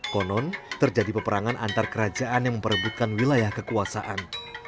konon terjadi peperangan antar kerajaan yang memperebutkan wilayah kekuasaan